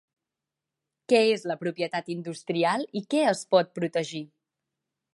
Què és la propietat industrial i què es pot protegir?